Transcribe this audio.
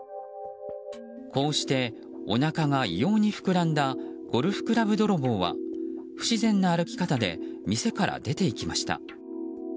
こうしておなかが異様に膨らんだゴルフクラブ泥棒は不自然な歩き方で店から出て行きました。